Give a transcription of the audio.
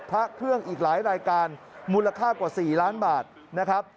พระเครื่องอีกหลายรายการมูลค่ากว่า๔ล้านบาทนะครับ